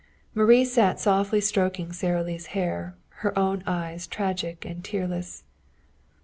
Marie sat softly stroking Sara Lee's hair, her own eyes tragic and tearless.